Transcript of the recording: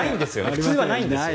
普通はないんですよ。